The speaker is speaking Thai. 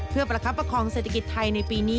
เพื่อประคับประคองเศรษฐกิจไทยในปีนี้